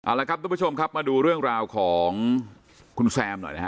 เอาละครับทุกผู้ชมครับมาดูเรื่องราวของคุณแซมหน่อยนะฮะ